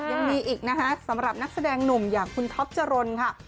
ยังมีอีกนะคะสำหรับนักแสดงหนุ่มอย่างคุณท็อปจรนค่ะ